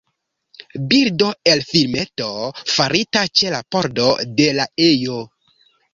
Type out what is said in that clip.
Bildo el filmeto farita ĉe la pordo de la ejo.